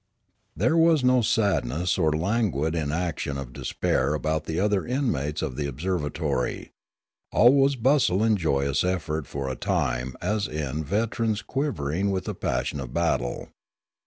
There was no sadness or languid inaction of despair about the other inmates of the observatory. All was bustle and joyous effort for a time as in veterans quiver ing with the passion of battle.